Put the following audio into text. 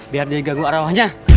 biar dia ganggu arahannya